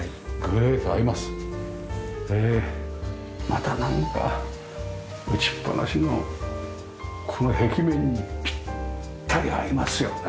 またなんか打ちっぱなしのこの壁面にピッタリ合いますよね。